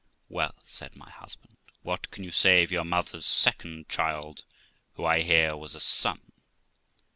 'Well', said my husband, 'what can you say of your mother's second child, who, I hear, was a son?'